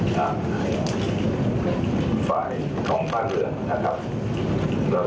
สวัสดีครับ